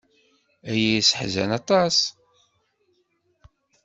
Aya yesseḥzan aṭas.